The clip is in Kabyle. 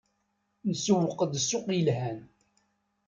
Nsewweq-d ssuq yelhan.